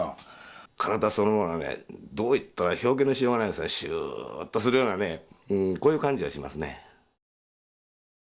体そのものがねどう言ったら表現のしようがないんですがシューッとするようなねこういう感じがしますね。